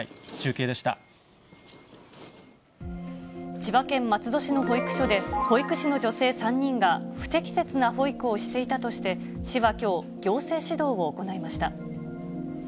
千葉県松戸市の保育所で、保育士の女性３人が不適切な保育をしていたとして、市はきょう行政指導を行いました。